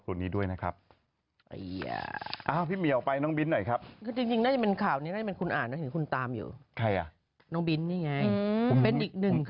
สงสัยว่าเอ๊ะมงกุดอะไรผูกคางออก